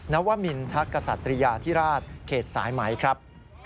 วมินทักษัตริยาธิราชเขตสายไหมครับ